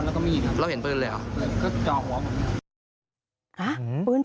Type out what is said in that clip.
เหมือนรู้แล้วครับ